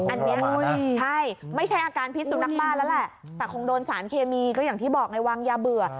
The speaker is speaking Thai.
อันนี้ใช่ไม่ใช่อาการพิษสุนักบ้าแล้วแหละแต่คงโดนสารเคมีก็อย่างที่บอกไงวางยาเบื่อ